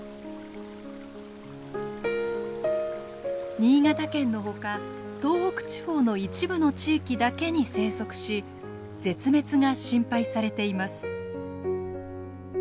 新潟県のほか東北地方の一部の地域だけに生息し絶滅が心配されています。